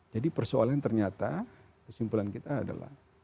jadi persoalan ternyata kesimpulan kita adalah